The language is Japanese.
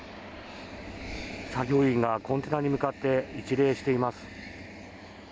作業員がコンテナに向かって一礼しています。